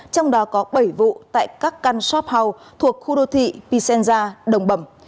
trong đó có bảy vụ tại các căn shop house thuộc khu đô thị pisenja đồng bẩm